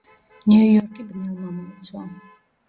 ნიუ-იორკი ბნელმა მოიცვა.